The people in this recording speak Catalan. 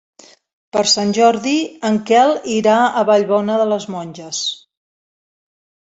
Per Sant Jordi en Quel irà a Vallbona de les Monges.